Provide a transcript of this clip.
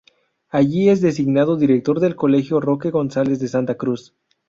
Allí es designado director del colegio Roque González de Santa Cruz.